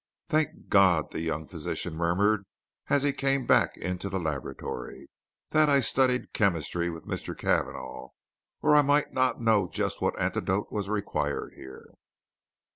"Thank God!" the young physician murmured, as he came back into the laboratory, "that I studied chemistry with Mr. Cavanagh, or I might not know just what antidote was required here."